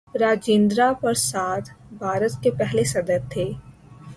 راجندرہ پرساد بھارت کے پہلے صدر تھے.